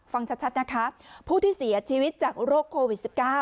ฟังชัดนะคะผู้ที่เสียชีวิตจากโรคโควิด๑๙